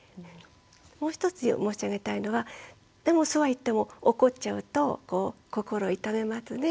もう一つ申し上げたいのはでもそうは言っても怒っちゃうと心痛めますね。